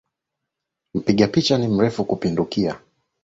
Mpiga picha ni mrefu kupindukia